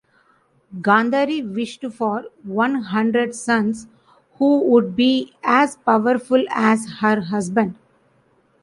Gandhari wished for one hundred sons who would be as powerful as her husband.